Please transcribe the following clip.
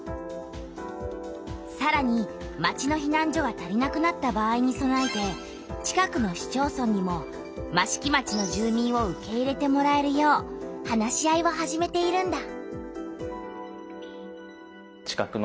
さらに町のひなん所が足りなくなった場合にそなえて近くの市町村にも益城町の住民を受け入れてもらえるよう話し合いを始めているんだ。